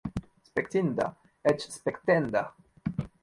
Spektinda, eĉ spektenda!